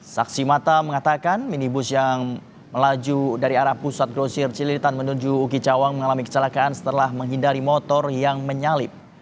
saksi mata mengatakan minibus yang melaju dari arah pusat grosir cililitan menuju uki cawang mengalami kecelakaan setelah menghindari motor yang menyalip